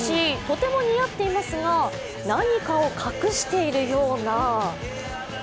とても似合っていますが何かを隠しているような？